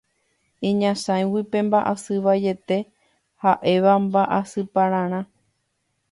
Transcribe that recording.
iñasãigui pe mba'asy vaiete ha'éva mba'asypararã